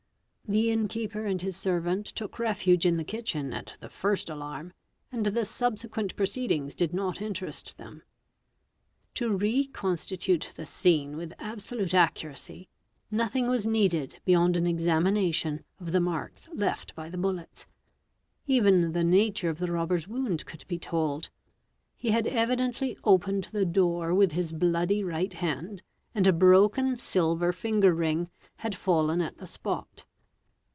The inn keeper and his servant took refuge in the kitchen at the first alarm, and the subsequent proceedings did not interest them. To reconstitute the scene with absolute accuracy, nothi ng was needed beyond an examination of the marks left by the bullets; ever the nature of the robber's wound could be told; he had evidently opened the door with his bloody right hand and a broken silver finger ring hac fallen at the spot.